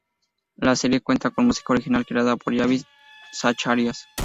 La serie cuenta con música original creada por Javier Zacharias.